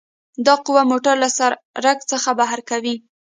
دا قوه موټر له سرک څخه بهر کوي